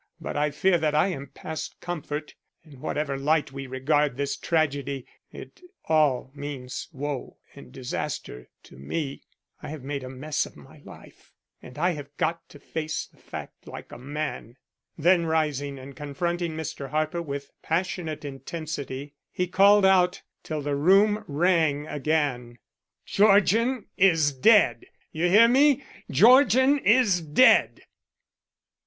But I fear that I am past comfort. In whatever light we regard this tragedy, it all means woe and disaster to me. I have made a mess of my life and I have got to face the fact like a man." Then rising and confronting Mr. Harper with passionate intensity, he called out till the room rang again: "Georgian is dead! You hear me, Georgian is dead!"